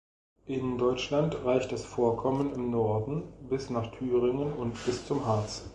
In Deutschland reicht das Vorkommen im Norden bis nach Thüringen und bis zum Harz.